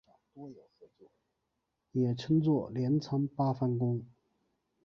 也称作镰仓八幡宫。